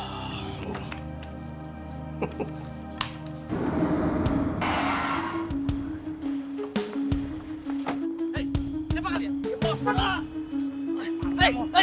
hei eh amatan